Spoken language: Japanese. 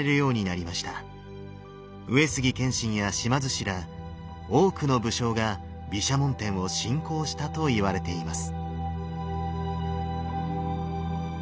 上杉謙信や島津氏ら多くの武将が毘沙門天を信仰したといわれています。